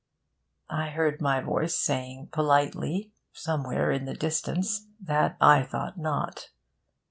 I heard my voice saying politely, somewhere in the distance, that I thought not.